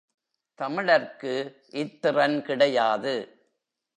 தமிழர்க்கு இத்திறன் கிடையாது.